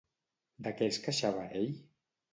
De què es queixava ell?